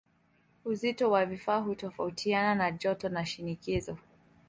Uzito wa vifaa hutofautiana na joto na shinikizo.